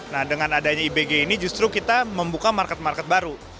nah dengan adanya ibg ini justru kita membuka market market baru